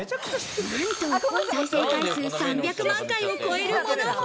なんと再生回数３００万回を超えるものも。